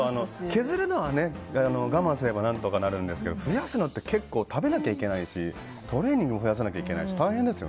削るのは我慢すれば何とかなるんですけど増やすのって結構食べなきゃいけないしトレーニングも増やさなきゃいけないしはい。